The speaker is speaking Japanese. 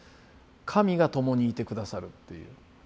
神が共にいて下さるっていう。